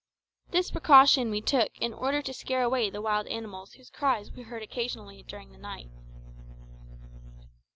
This precaution we took in order to scare away the wild animals whose cries we heard occasionally during the night.